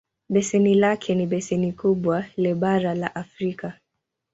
Beseni lake ni beseni kubwa le bara la Afrika.